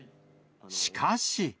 しかし。